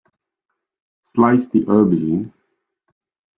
Slice the aubergine.